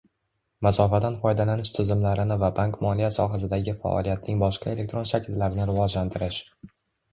masofadan foydalanish tizimlarini va bank-moliya sohasidagi faoliyatning boshqa elektron shakllarini rivojlantirish.